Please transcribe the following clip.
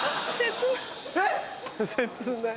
切ない。